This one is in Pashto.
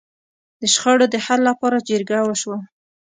د شخړو د حل لپاره جرګه وشوه.